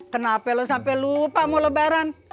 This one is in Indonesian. kenapa lo sampai lupa mau lebaran